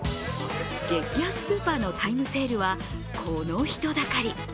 激安スーパーのタイムセールはこの人だかり。